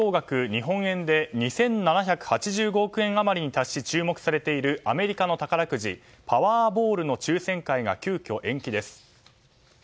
日本円で２７８５億円余りに達し注目されているアメリカの宝くじパワーボールの抽選会が急きょ、延期です。